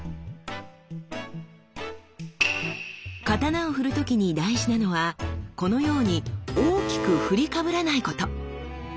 刀を振る時に大事なのはこのように大きく振りかぶらないこと。